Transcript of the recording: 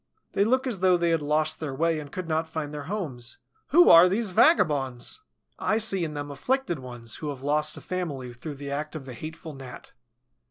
They look as though they had lost their way and could not find their homes. Who are these vagabonds? I see in them afflicted ones who have lost a family through the act of the hateful Gnat.